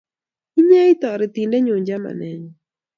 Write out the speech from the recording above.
Inye ii taretindenyu chamanenyu